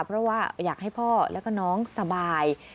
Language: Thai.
เพราะว่าอยากให้พ่อแล้วก็น้องสบาย